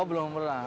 oh belum pernah